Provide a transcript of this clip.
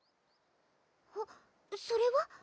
あっそれは？